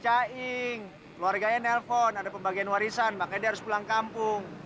caing keluarganya nelpon ada pembagian warisan makanya dia harus pulang kampung